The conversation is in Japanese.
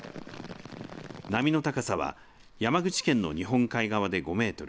波の高さは山口県の日本海側で５メートル